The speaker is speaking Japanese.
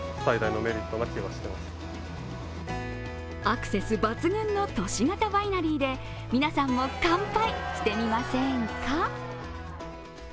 アクセス抜群の都市型ワイナリーで皆さんも乾杯してみませんか。